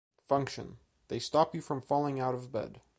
Function: they stop you from falling out of bed.